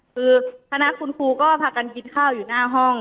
คือคณะคุณครูก็พากันกินข้าวอยู่หน้าห้อง